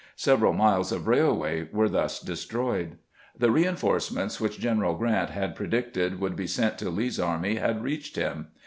Several miles of railway were thus destroyed. The reinforcements which G eneral Grrant had pre dicted would be sent to Lee's army had reached him.